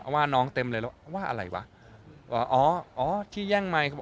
ว่าน้องเต็มเลยแล้วว่าอะไรวะอ๋อที่แย่งไมค์